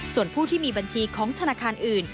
ส่วนผู้ที่มีบัญชีของธนาคารอื่น